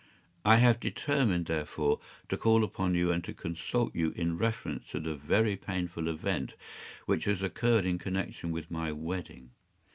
I have determined, therefore, to call upon you, and to consult you in reference to the very painful event which has occurred in connection with my wedding.